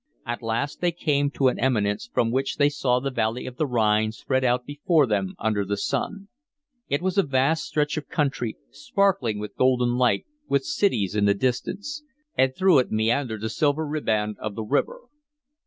At last they came to an eminence from which they saw the valley of the Rhine spread out before them under the sun. It was a vast stretch of country, sparkling with golden light, with cities in the distance; and through it meandered the silver ribband of the river.